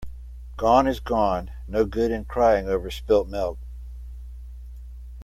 Gone is gone. No good in crying over spilt milk.